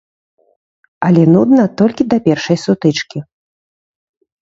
Але нудна толькі да першай сутычкі.